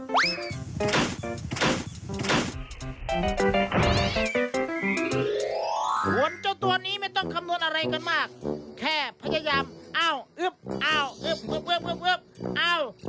หวนเจ้าตัวนี้ไม่ต้องคำนวนอะไรกันมากแค่พยายามเอ้าเอ้าเอ้าเอ้าเอ้าเอ้า